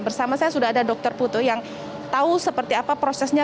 bersama saya sudah ada dr putu yang tahu seperti apa prosesnya